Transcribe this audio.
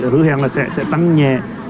hứa hẹn là sẽ tăng nhẹ